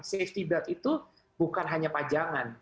safety belt itu bukan hanya pajangan